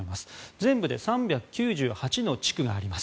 全部で３９８の地区があります。